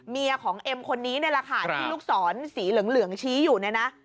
ของเอ็มคนนี้นี่แหละค่ะที่ลูกศรสีเหลืองชี้อยู่เนี่ยนะ